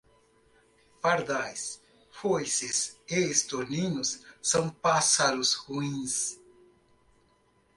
Pardais, foices e estorninhos são pássaros ruins.